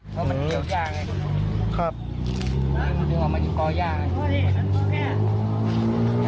ครับเอามากินก่อย่างไง